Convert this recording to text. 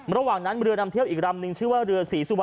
ระหว่างนั้นเรือนำเที่ยวอีกลำนึงชื่อว่าเรือศรีสุวรร